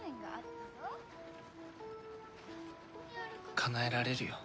かなえられるよ。